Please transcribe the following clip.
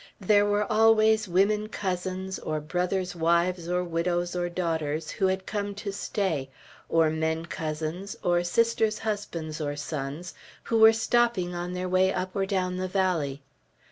There were always women cousins, or brother's wives or widows or daughters, who had come to stay, or men cousins, or sister's husbands or sons, who were stopping on their way up or down the valley.